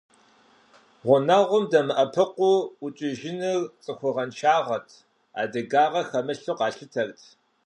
Гъунэгъум дэмыӀэпыкъуу ӀукӀыжыныр цӀыхугъэншагъэт, адыгагъэ хэмылъу къалъытэрт.